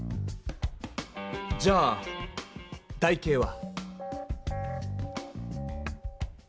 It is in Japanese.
じゃあ台形は。